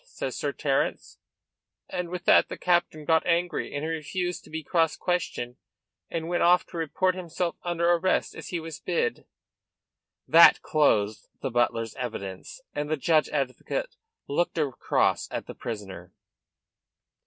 says Sir Terence, and with that the captain got angry, said he refused to be cross questioned and went off to report himself under arrest as he was bid." That closed the butler's evidence, and the judge advocate looked across at the prisoner.